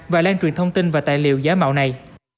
và lan truyền thông tin và tài liệu giả mạo này